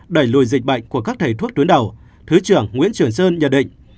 đẩy lùi dịch bệnh của các thầy thuốc tuyến đầu thứ trưởng nguyễn trường sơn nhận định